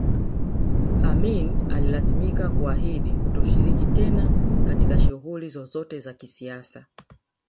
Amin alilazimika kuahidi kutoshiriki tena katika shughuli zozote za kisiasa